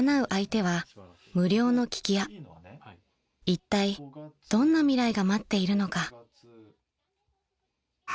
［いったいどんな未来が待っているのか］